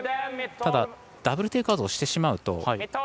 ただダブル・テイクアウトをしてしまうと。